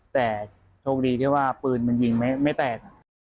แต่โชคดีที่ว่าปืนมันยิงไม่แตก